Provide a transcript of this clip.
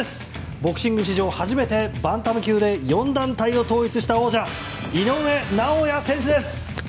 ボクシング史上初めてバンタム級で４団体を統一した王者井上尚弥選手です！